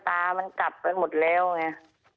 ตามันกลับไปหมดแล้วไง